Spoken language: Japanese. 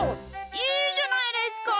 いいじゃないですか。